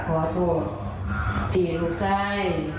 ขอโทษที่ลูกไส้